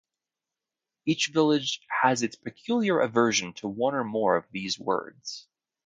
Each village has its peculiar aversion to one or more of these words.